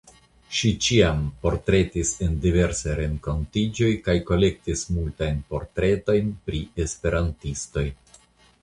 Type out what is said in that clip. Ŝi ĉiam portretis en diversaj renkontiĝoj kaj kolektis multajn portretojn pri esperantistoj.